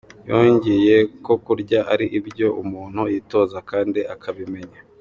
Yongeraho ko kurya ari ibyo umuntu yitoza kandi akabimenya.